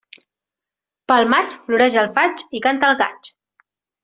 Pel maig, floreix el faig i canta el gaig.